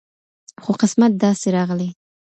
خو قسمت داسي راغلی